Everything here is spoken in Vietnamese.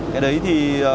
cái đấy thì